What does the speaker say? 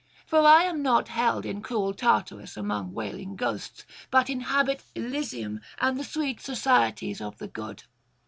For I am not held in cruel Tartarus among wailing ghosts, but inhabit Elysium and the sweet societies of the good.